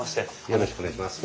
よろしくお願いします。